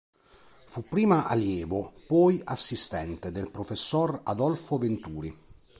Fu prima allievo e poi assistente del professor Adolfo Venturi.